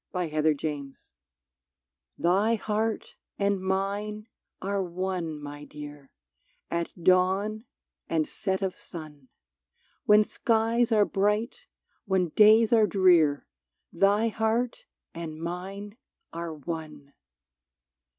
93 CRADLE SONG 'THhy heart and mine are one, my dear, At dawn and set of sun ; When skies are bright, when days are drear, Thy heart and mine are one